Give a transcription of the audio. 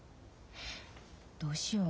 どうしよう。